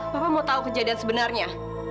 bapak mau tahu kejadian sebenarnya